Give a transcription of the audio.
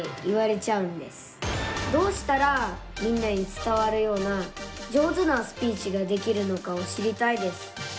どうしたらみんなに伝わるような上手なスピーチができるのかを知りたいです。